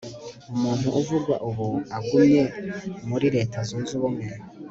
umuntu uvugwa ubu agumye muri leta zunze ubumwe